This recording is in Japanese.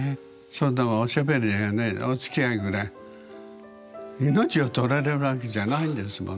そんなおしゃべりやねおつきあいぐらい命を取られるわけじゃないんですもの。